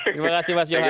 terima kasih mas johan